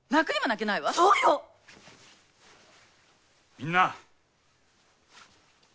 みんな。